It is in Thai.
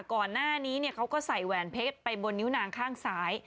ก่อนหน้านี้เขาก็ใส่แหวนเพชรไปบนนิ้วนางข้างซ้าย